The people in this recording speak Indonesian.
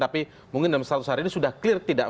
tapi mungkin dalam seratus hari ini sudah clear tidak